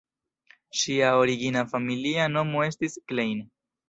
Ŝia origina familia nomo estis "Klein".